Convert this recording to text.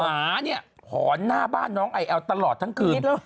หมาเนี่ยหอนหน้าบ้านน้องไอแอลตลอดทั้งคืน